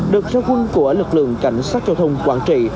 được ra quân của lực lượng cảnh sát giao thông quản trị